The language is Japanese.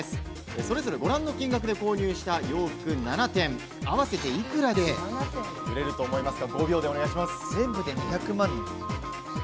それぞれご覧の金額で購入した洋服７点、合わせていくらで売れると思いますか？